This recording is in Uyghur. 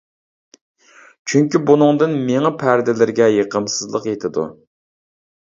چۈنكى بۇنىڭدىن مېڭە پەردىلىرىگە يېقىمسىزلىق يېتىدۇ.